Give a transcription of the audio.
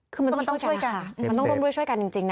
คือมันต้องช่วยกันมันต้องร่วมด้วยช่วยกันจริง